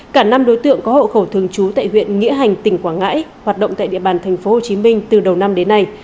cả năm đối tượng có hậu khẩu thường trú tại huyện nghĩa hành tỉnh quảng ngãi hoạt động tại địa bàn tp hcm từ đầu năm đến nay